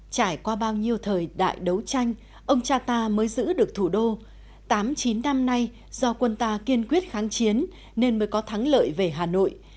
trải qua bao nhiêu thời đại đấu tranh ông cha ta mới giữ được thủ đô tám chín năm nay do quân ta kiên quyết kháng chiến nên mới có thắng lợi về hà nội